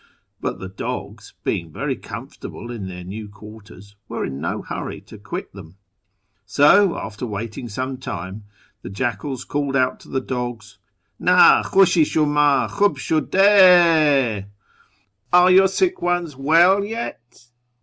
But the dogs, being very comfortable in their new quarters, were in no hurry to quit them. So, after waiting some time, the jackals called out to the dogs, ' Nd Ihusli i sliumd Ixhuh shu(U d d 6V ('Are your sick ones well yet